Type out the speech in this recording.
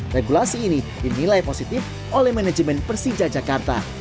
regulasi ini dinilai positif oleh manajemen persija jakarta